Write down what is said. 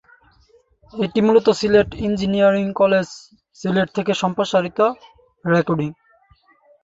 এটি মূলত Sylhet engineering college, Sylhet থেকে সম্প্রচারিত রেডিও।